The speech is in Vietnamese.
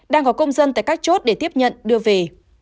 đang có công dân tại các chốt để tiếp nhận đưa về